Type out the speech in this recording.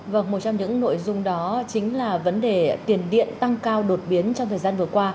vâng một trong những nội dung đó chính là vấn đề tiền điện tăng cao đột biến trong thời gian vừa qua